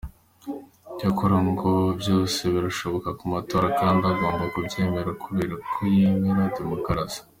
Cyakora ngo byose birashoboka mu matora kandi ngo agomba kubyemera kubera ko yemera Demokarasi.